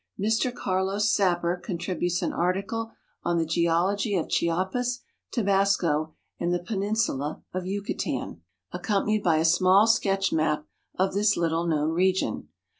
Mr Carlos Sapper contributes an article on the 'Geology of Chiapas, Tabasco, and the Peninsula of Yucatan," accom 62 • GEOGRAPHIC SERIALS panied by a small sketch map of this little known region.